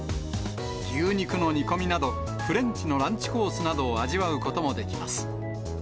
牛肉の煮込みなど、フレンチのランチコースなどを味わうこともできます。